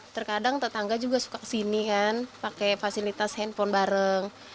terkadang tetangga juga suka kesini kan pakai fasilitas handphone bareng